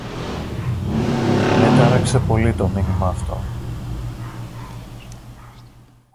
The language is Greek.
Με τάραξε πολύ το μήνυμα αυτό